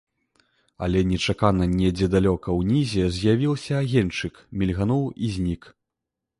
Але нечакана недзе далёка ўнізе з'явіўся агеньчык, мільгануў і знік.